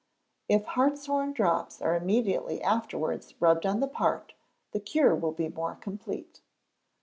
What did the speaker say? If hartshorn drops are immediately afterwards rubbed on the part, the cure will be more complete.